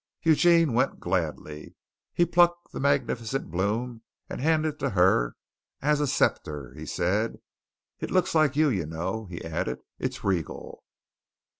Eugene went gladly. He plucked the magnificent bloom and handed it to her "as a sceptre," he said. "It looks like you, you know," he added. "It's regal."